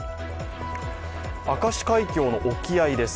明石海峡の沖合です。